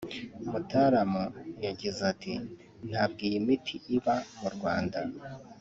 Mtaalamu yagize ati “Ntabwo iyi miti iba mu Rwanda